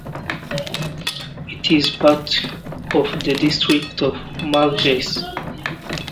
It is part of the district of Morges.